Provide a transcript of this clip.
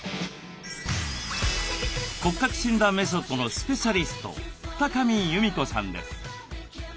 骨格診断メソッドのスペシャリスト二神弓子さんです。